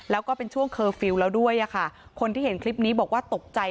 แล้วก็เป็นช่วงเคอร์ฟิลล์แล้วด้วยอะค่ะคนที่เห็นคลิปนี้บอกว่าตกใจ